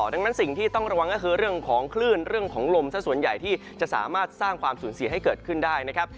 ดังนั้นสิ่งที่ต้องระวังก็คือเรื่องของคลื่นเรื่องของลมสักส่วนใหญ่ที่จะสามารถสร้างความสูญเสียให้เกิดขึ้นได้นะครับ